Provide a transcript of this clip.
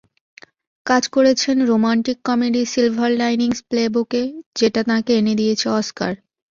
কাজ করেছেন romantic comedy Silver Linings প্লেবুক-এ, যেটা তাঁকে এনে দিয়েছে অস্কার।